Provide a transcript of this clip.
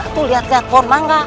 aku liat liat korn mangga